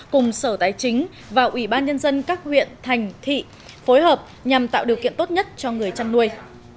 cùng sở tài chính và ủy ban nhân dân các huyện thành thị phối hợp nhằm tạo điều kiện tốt nhất cho người chăn nuôi